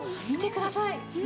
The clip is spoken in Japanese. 見てください！